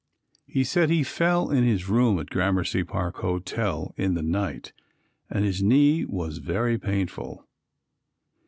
He said he fell in his room at Gramercy Park Hotel in the night, and his knee was very painful.